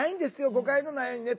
誤解のないようにね。